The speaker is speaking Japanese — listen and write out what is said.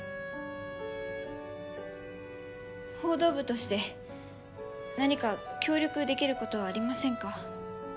報道部として何か協力できる事はありませんか？